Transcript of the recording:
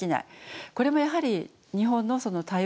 これもやはり日本の多様性